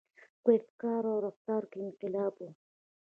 • په افکارو او رفتار کې انقلاب و.